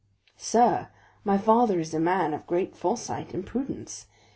"Sir, my father is a man of great foresight and prudence.